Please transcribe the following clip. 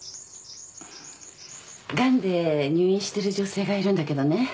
がんで入院してる女性がいるんだけどね